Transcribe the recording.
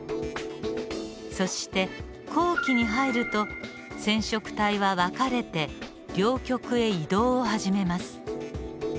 そして後期に入ると染色体は分かれて両極へ移動を始めます。